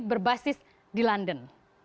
berbasis di london